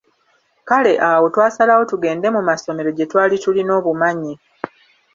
Kale awo twasalawo tugende mu masomero gye twali tulina obumanye.